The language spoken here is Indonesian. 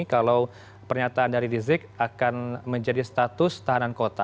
kalau pernyataan dari rizik akan menjadi status tahanan kota